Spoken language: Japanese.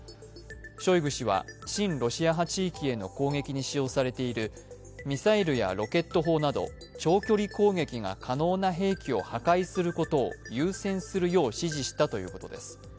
ショイグ氏は、親ロシア派地域への攻撃に使用されているミサイルやロケット砲など、長距離攻撃が可能な兵器を破壊することを優先するよう指示したということです。